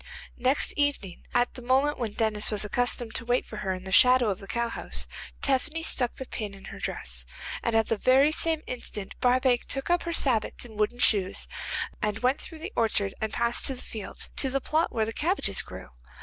Next evening, at the moment when Denis was accustomed to wait for her in the shadow of the cowhouse, Tephany stuck the pin in her dress, and at the very same instant Barbaik took up her sabots or wooden shoes and went through the orchard and past to the fields, to the plot where the cabbages grew.